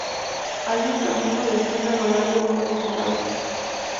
Hay un camino de sirga a lo largo de uno de sus lados.